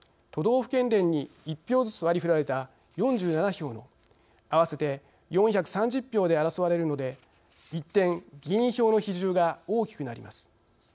府県連に１票ずつ割り振られた４７票の合わせて４３０票で争われるので一転、議員票の比重が大きくなります。